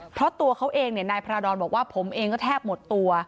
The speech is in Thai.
เพราะตัวเขาเองนายพระดอนบอกว่าผมเองก็แทบหมดตัว